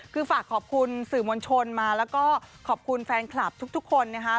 คือฝากขอบคุณสื่อมวลชนมาแล้วก็ขอบคุณแฟนคลับทุกคนนะคะ